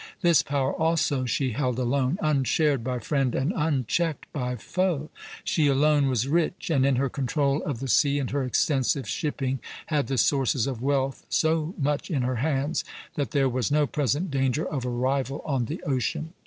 This power also she held alone, unshared by friend and unchecked by foe. She alone was rich, and in her control of the sea and her extensive shipping had the sources of wealth so much in her hands that there was no present danger of a rival on the ocean.